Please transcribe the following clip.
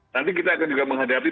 nanti kita akan juga menghadapi